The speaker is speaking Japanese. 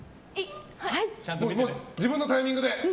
自分のタイミングで。